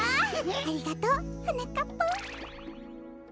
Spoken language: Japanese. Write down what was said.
ありがとうはなかっぱん。